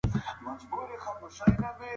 کله چې ماشوم تغذیه ولري، کمزوري به نه احساسېږي.